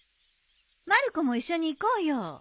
まる子も一緒に行こうよ。